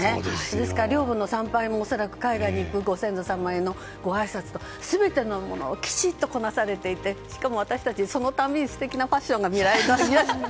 ですから陵墓の参拝も海外に行く前にご先祖様へのご挨拶と全てのものをきちんとこなされてしかも私たち、そのたびに素敵なファッションが見られて。